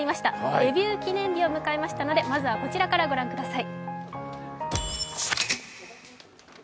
デビュー記念日を迎えましたので、まずはこちらから御覧ください。